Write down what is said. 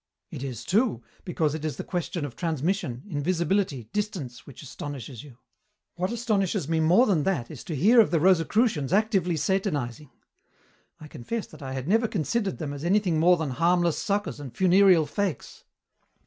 "It is too, because it is the question of transmission, invisibility, distance, which astonishes you." "What astonishes me more than that is to hear of the Rosicrucians actively satanizing. I confess that I had never considered them as anything more than harmless suckers and funereal fakes."